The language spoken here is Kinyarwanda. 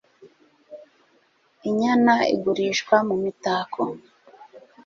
Inyana igurishwa mu mitako